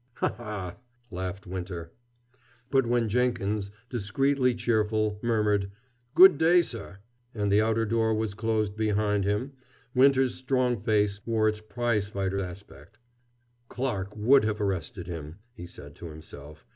"Ha, ha!" laughed Winter. But when Jenkins, discreetly cheerful, murmured "Good day, sir," and the outer door was closed behind him, Winter's strong face wore its prizefighter aspect. "Clarke would have arrested him," he said to himself.